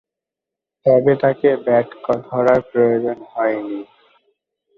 তবে তাকে ব্যাট ধরার প্রয়োজন হয়নি।